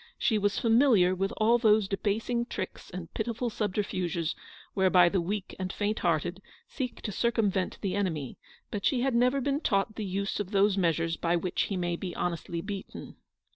She was familiar with all those 24 Eleanor's victory. debasing tricks and pitiful subterfuges whereby the weak and faint hearted seek to circumvent the enemy; but she had never been taught the use of those measures by which he may be honestly beaten.